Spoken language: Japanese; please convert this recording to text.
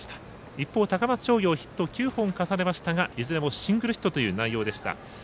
一方、高松商業ヒット９本、重ねましたがいずれもシングルヒットという内容でした。